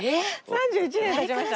３１年経ちました。